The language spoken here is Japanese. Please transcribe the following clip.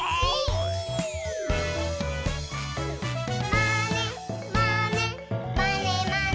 「まねまねまねまね」